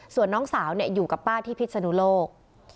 ส่วนน้องสาวอยู่กับป้าที่พิศนุโลก